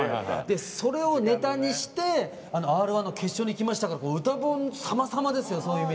それをネタにして「Ｒ‐１」の決勝にいきましたから歌本さまさまですよ。